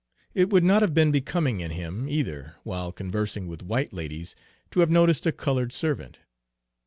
It would not have been becoming in him, either, while conversing with white ladies, to have noticed a colored servant.